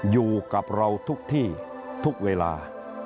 อยู่กับเราทุกที่ทุกเวลา